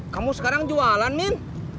kamu sekarang jualan min